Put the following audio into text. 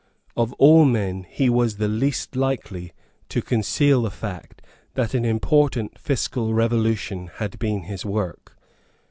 Of all men he was the least likely to conceal the fact that an important fiscal revolution had been his work.